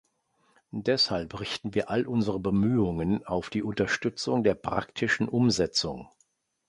Deshalb richten wir all unsere Bemühungen auf die Unterstützung der praktischen Umsetzung.